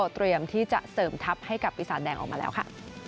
เตรียมที่จะเสริมทัพให้กับปีศาจแดงออกมาแล้วค่ะ